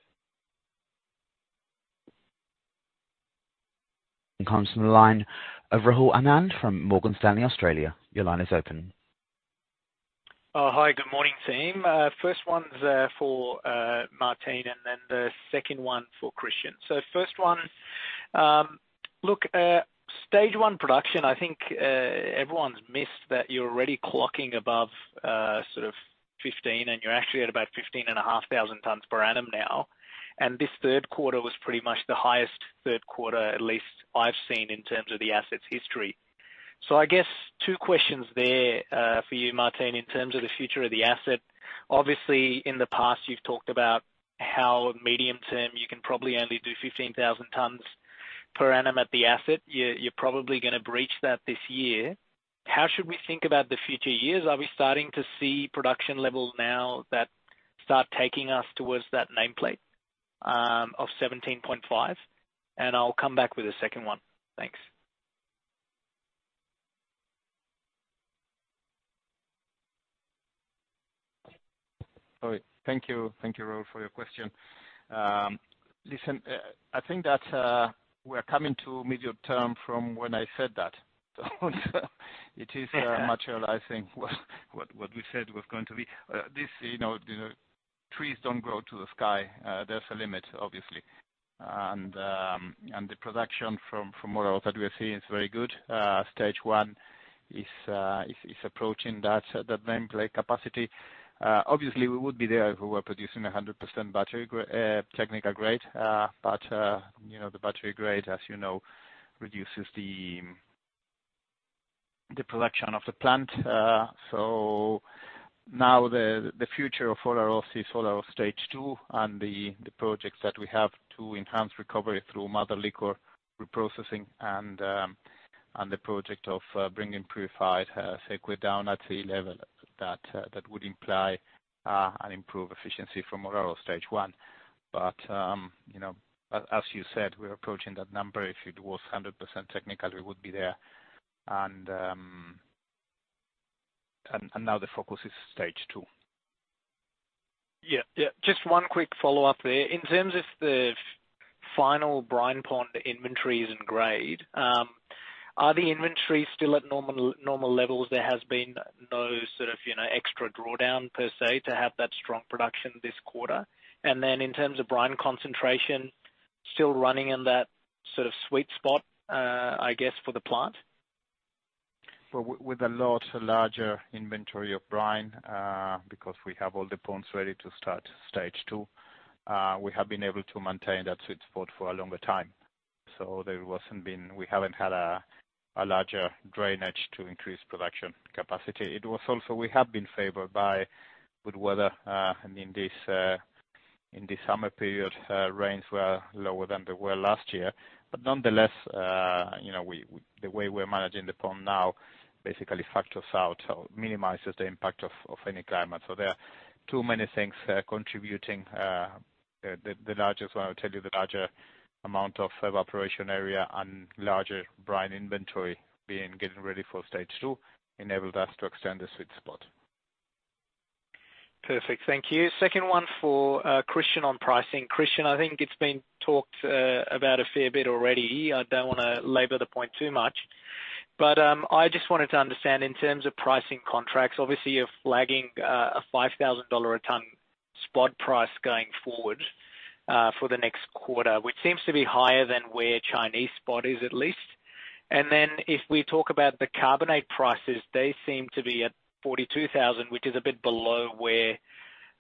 Comes from the line of Rahul Anand from Morgan Stanley, Australia. Your line is open. Hi, good morning, team. First one's for Martin, and then the second one for Christian. First one, look, stage one production, I think everyone's missed that you're already clocking above sort of 15,000, and you're actually at about 15,500 tons per annum now. This third quarter was pretty much the highest third quarter at least I've seen in terms of the asset's history. I guess two questions there for you, Martin, in terms of the future of the asset. Obviously, in the past, you've talked about how medium term, you can probably only do 15,000 tons per annum at the asset. You're probably gonna breach that this year. How should we think about the future years? Are we starting to see production levels now that start taking us towards that nameplate, of 17,500? I'll come back with a second one. Thanks. All right. Thank you. Thank you, Rahul, for your question. Listen, I think that we're coming to medium term from when I said that. It is much earlier I think what we said was going to be. This, you know, trees don't grow to the sky. There's a limit, obviously. The production from Olaroz that we are seeing is very good. Stage one is approaching the nameplate capacity. Obviously we would be there if we were producing 100% battery technical grade. You know, the battery grade, as you know, reduces the production of the plant. Now the future of Olaroz is Olaroz Stage 2 and the projects that we have to enhance recovery through mother liquor reprocessing and the project of bringing purified sequi down at sea level that would imply an improved efficiency from Olaroz Stage 1. You know, as you said, we're approaching that number. If it was 100% technical, we would be there. Now the focus is stage two. Yeah. Yeah. Just one quick follow-up there. In terms of the final brine pond inventories and grade, are the inventories still at normal levels? There has been no sort of, you know, extra drawdown per se to have that strong production this quarter. Then in terms of brine concentration, still running in that sort of sweet spot, I guess, for the plant? With a lot larger inventory of brine, because we have all the ponds ready to start stage two, we have been able to maintain that sweet spot for a longer time. We haven't had a larger drainage to increase production capacity. It was also, we have been favored by good weather, and in this, in this summer period, rains were lower than they were last year. Nonetheless, you know, we the way we're managing the pond now basically factors out or minimizes the impact of any climate. There are too many things contributing. The largest one I will tell you, the larger amount of evaporation area and larger brine inventory being, getting ready for stage two enabled us to extend the sweet spot. Perfect. Thank you. Second one for Christian on pricing. Christian, I think it's been talked about a fair bit already. I don't wanna labor the point too much. I just wanted to understand in terms of pricing contracts, obviously you're flagging a 5,000 dollar a ton spot price going forward for the next quarter, which seems to be higher than where Chinese spot is at least. If we talk about the carbonate prices, they seem to be at 42,000, which is a bit below where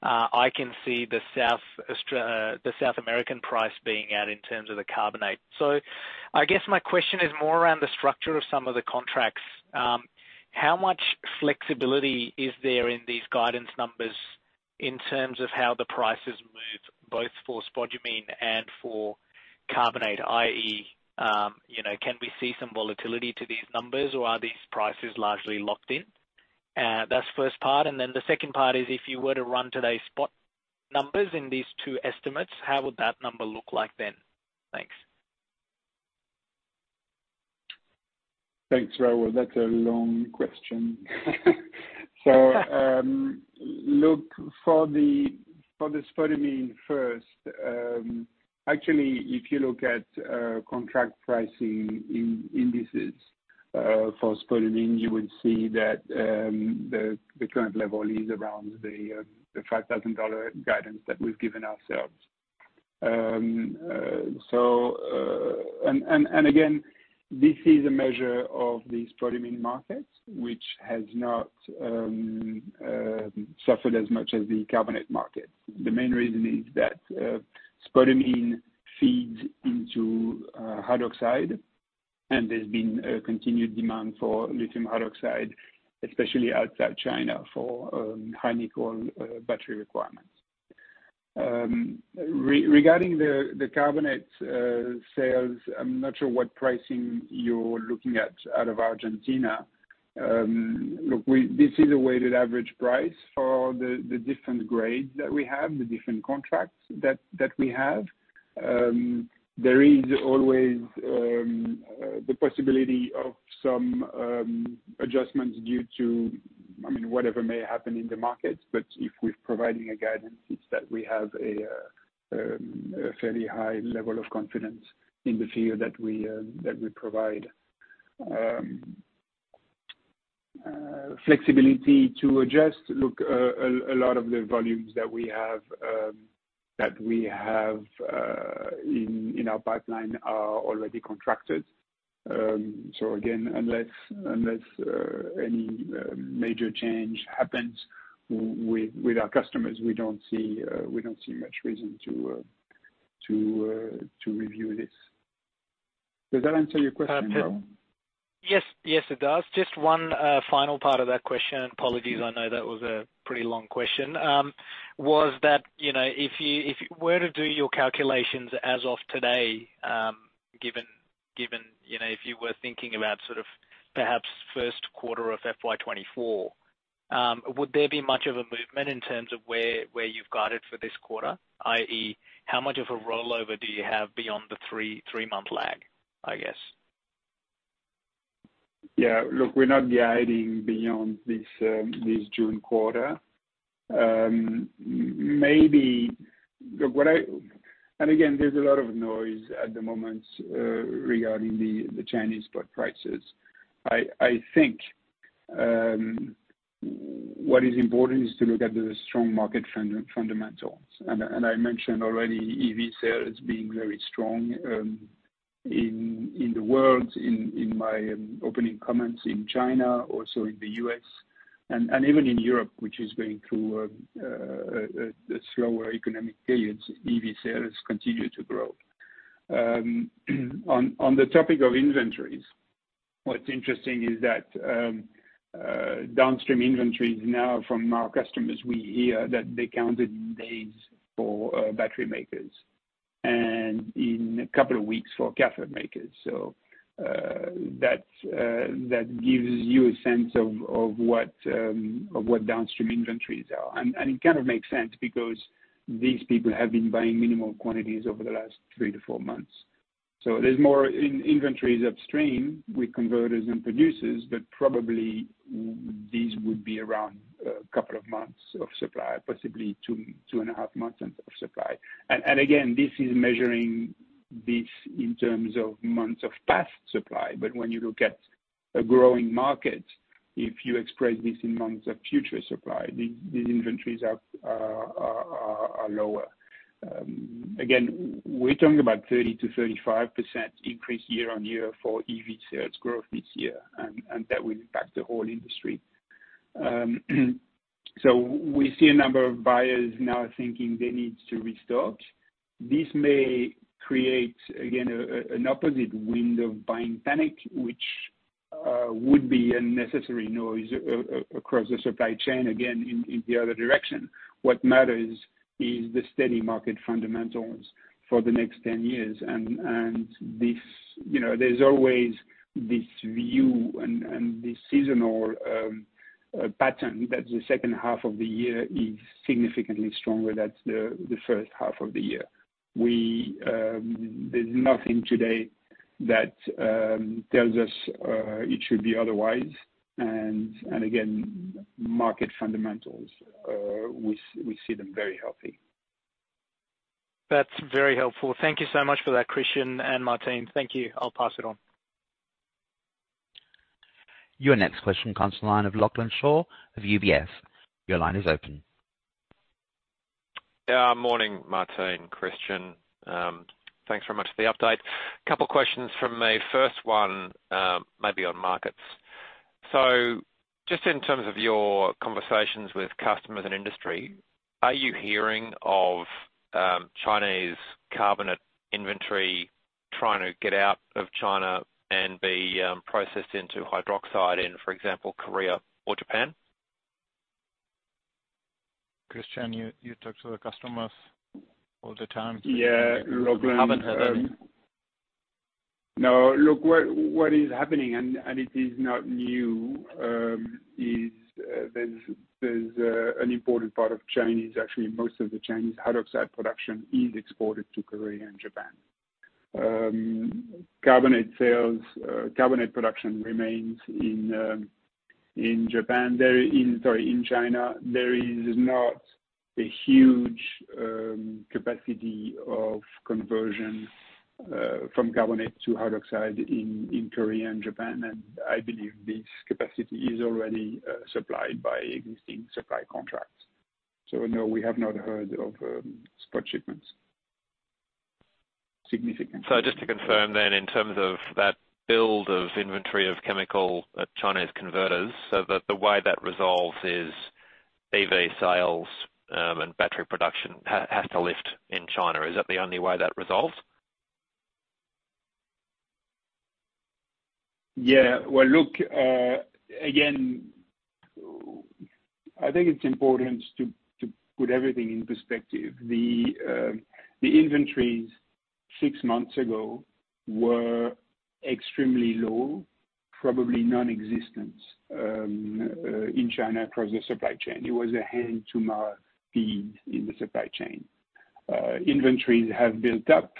I can see the South American price being at in terms of the carbonate. I guess my question is more around the structure of some of the contracts. How much flexibility is there in these guidance numbers in terms of how the prices move both for spodumene and for carbonate, i.e., you know, can we see some volatility to these numbers or are these prices largely locked in? That's first part, and then the second part is if you were to run today's spot numbers in these two estimates, how would that number look like then? Thanks. Thanks, Rahul. That's a long question. Look for the, for the spodumene first, actually, if you look at contract pricing in indices, for spodumene, you will see that the current level is around the AUD 5,000 guidance that we've given ourselves. Again, this is a measure of the spodumene markets which has not suffered as much as the carbonate market. The main reason is that spodumene feeds into hydroxide, and there's been a continued demand for lithium hydroxide, especially outside China for high nickel battery requirements. Regarding the carbonate sales, I'm not sure what pricing you're looking at out of Argentina. Look, this is a weighted average price for the different grades that we have, the different contracts that we have. There is always the possibility of some adjustments due to, I mean, whatever may happen in the market. If we're providing a guidance, it's that we have a fairly high level of confidence in the view that we provide. Flexibility to adjust. Look, a lot of the volumes that we have in our pipeline are already contracted. Again, unless any major change happens with our customers, we don't see much reason to review this. Does that answer your question, Rahul? Yes. Yes, it does. Just one final part of that question, apologies, I know that was a pretty long question. Was that, you know, if you, if you were to do your calculations as of today, given, you know, if you were thinking about sort of perhaps first quarter of FY 2024, would there be much of a movement in terms of where you've got it for this quarter, i.e., how much of a rollover do you have beyond the three-month lag, I guess? Yeah. Look, we're not guiding beyond this June quarter. Look, and again, there's a lot of noise at the moment, regarding the Chinese spot prices. I think, what is important is to look at the strong market fundamentals. I mentioned already EV sales being very strong, in the world in my opening comments in China, also in the U.S., and even in Europe, which is going through a slower economic period, EV sales continue to grow. On the topic of inventories, what's interesting is that, downstream inventories now from our customers, we hear that they counted days for battery makers and in a couple of weeks for cathode makers. That gives you a sense of what downstream inventories are. It kind of makes sense because these people have been buying minimal quantities over the last three to four months. There's more in inventories upstream with converters and producers, but probably these would be around a couple of months of supply, possibly two and a half months of supply. Again, this is measuring this in terms of months of past supply. When you look at a growing market, if you express this in months of future supply, these inventories are lower. Again, we're talking about 30%-35% increase year-over-year for EV sales growth this year, that will impact the whole industry. We see a number of buyers now thinking they need to restock. This may create, again, an opposite wind of buying panic, which would be unnecessary noise across the supply chain again in the other direction. What matters is the steady market fundamentals for the next 10 years. You know, there's always this view and the seasonal pattern that the second half of the year is significantly stronger than the first half of the year. We. There's nothing today that tells us it should be otherwise. Again, market fundamentals, we see them very healthy. That's very helpful. Thank you so much for that, Christian and Martin. Thank you. I'll pass it on. Your next question comes to line of Lachlan Shaw of UBS. Your line is open. Yeah. Morning, Martin, Christian. Thanks very much for the update. A couple questions from me. First one, maybe on markets. Just in terms of your conversations with customers and industry, are you hearing of Chinese carbonate inventory trying to get out of China and be processed into hydroxide in, for example, Korea or Japan? Christian, you talk to the customers all the time. Yeah, Lachlan. You haven't heard any? No. Look what is happening, and it is not new, is there's an important part of Chinese, actually, most of the Chinese hydroxide production is exported to Korea and Japan. Carbonate production remains in Japan. Sorry, in China, there is not a huge capacity of conversion from carbonate to hydroxide in Korea and Japan. I believe this capacity is already supplied by existing supply contracts. No, we have not heard of spot shipments. Just to confirm then, in terms of that build of inventory of chemical at China's converters, the way that resolves is EV sales and battery production has to lift in China. Is that the only way that resolves? Well, look, again, I think it's important to put everything in perspective. The inventories six months ago were extremely low, probably non-existent in China across the supply chain. It was a hand-to-mouth feed in the supply chain. Inventories have built up.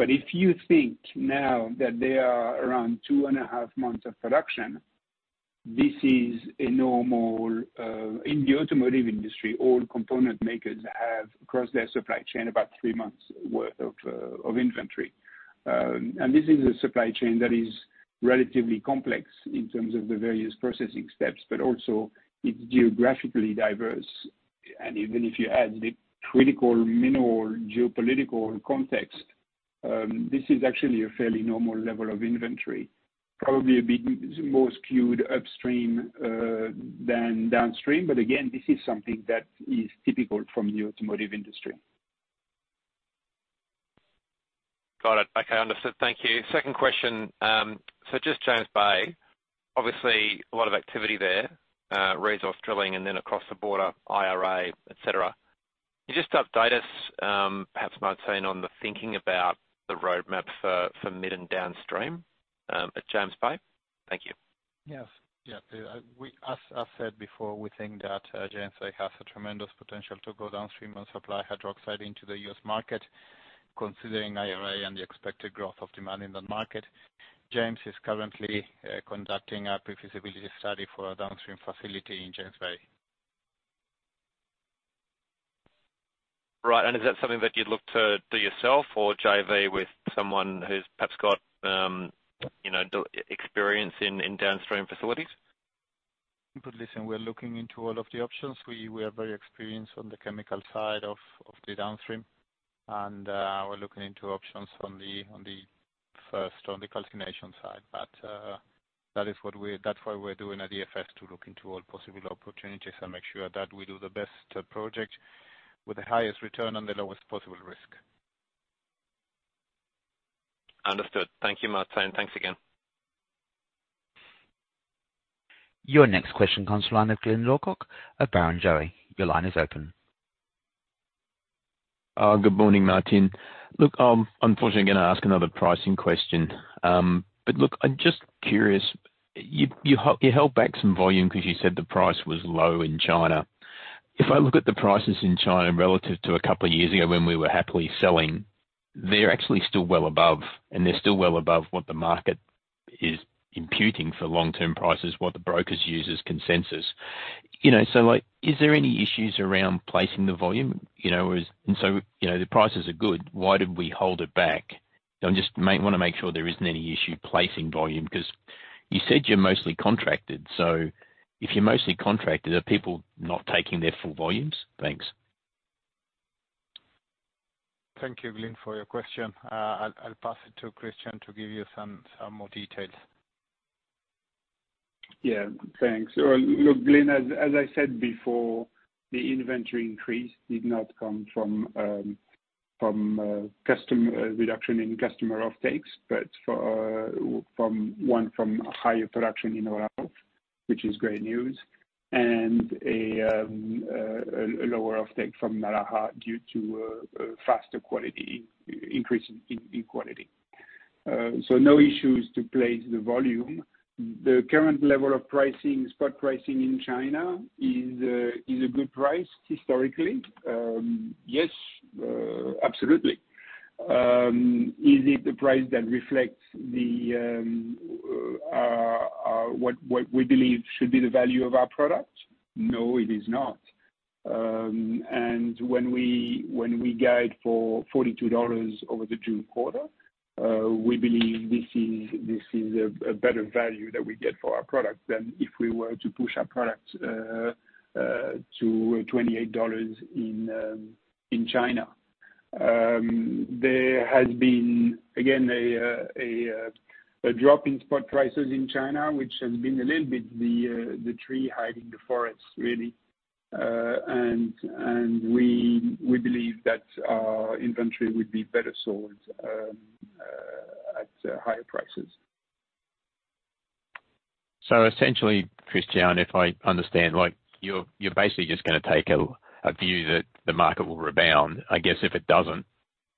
If you think now that they are around two and a half months of production, this is a normal. In the automotive industry, all component makers have across their supply chain about three months worth of inventory. This is a supply chain that is relatively complex in terms of the various processing steps, but also it's geographically diverse. Even if you add the critical mineral geopolitical context, this is actually a fairly normal level of inventory. Probably a bit more skewed upstream than downstream. Again, this is something that is typical from the automotive industry. Got it. Okay, understood. Thank you. Second question. Just James Bay. Obviously, a lot of activity there, resource drilling, and then across the border, IRA, et cetera. Can you just update us, perhaps Martin, on the thinking about the roadmap for mid and downstream at James Bay? Thank you. Yes. Yeah. As said before, we think that James Bay has a tremendous potential to go downstream and supply hydroxide into the U.S. market, considering IRA and the expected growth of demand in that market. James is currently conducting a pre-feasibility study for a downstream facility in James Bay. Right. Is that something that you'd look to do yourself or JV with someone who's perhaps got, you know, the experience in downstream facilities? Listen, we're looking into all of the options. We are very experienced on the chemical side of the downstream. We're looking into options on the first on the calcination side. That's why we're doing a DFS to look into all possible opportunities and make sure that we do the best project with the highest return and the lowest possible risk. Understood. Thank you, Martin. Thanks again. Your next question comes line of Glyn Lawcock of Barrenjoey. Your line is open. Good morning, Martin. Look, I'm unfortunately gonna ask another pricing question. Look, I'm just curious. You held back some volume 'cause you said the price was low in China. If I look at the prices in China relative to a couple of years ago when we were happily selling, they're actually still well above, and they're still well above what the market is imputing for long-term prices, what the brokers use as consensus. You know, like, is there any issues around placing the volume? You know, the prices are good, why did we hold it back? I just wanna make sure there isn't any issue placing volume, 'cause you said you're mostly contracted. If you're mostly contracted, are people not taking their full volumes? Thanks. Thank you, Glyn, for your question. I'll pass it to Christian to give you some more details. Yeah, thanks. Look, Glyn, as I said before, the inventory increase did not come from reduction in customer offtakes, but for one, from higher production in Olaroz, which is great news, and a lower offtake from Naraha due to a faster quality, increase in quality. No issues to place the volume. The current level of pricing, spot pricing in China is a good price historically. Yes, absolutely. Is it the price that reflects the what we believe should be the value of our product? No, it is not. When we guide for 42 dollars over the June quarter, we believe this is a better value that we get for our product than if we were to push our product to 28 dollars in China. There has been, again, a drop in spot prices in China, which has been a little bit the tree hiding the forest, really. We believe that our inventory would be better sold at higher prices. Essentially, Christian, if I understand, like you're basically just gonna take a view that the market will rebound? I guess if it doesn't,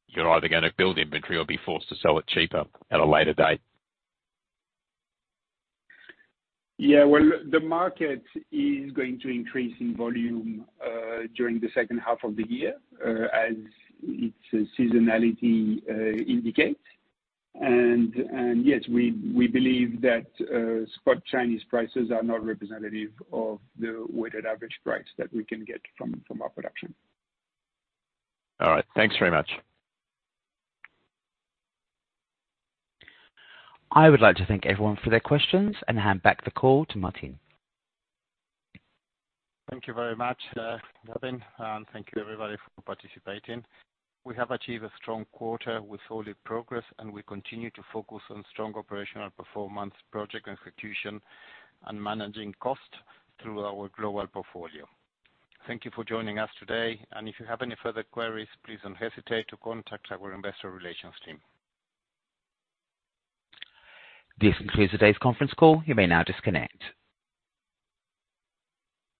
you're either gonna build inventory or be forced to sell it cheaper at a later date. Yeah. Well, the market is going to increase in volume, during the second half of the year, as its seasonality indicates. Yes, we believe that, spot Chinese prices are not representative of the weighted average price that we can get from our production. All right. Thanks very much. I would like to thank everyone for their questions and hand back the call to Martin. Thank you very much, Glyn, and thank you everybody for participating. We have achieved a strong quarter with solid progress, and we continue to focus on strong operational performance, project execution and managing costs through our global portfolio. Thank you for joining us today. If you have any further queries, please don't hesitate to contact our Investor Relations team. This concludes today's conference call. You may now disconnect.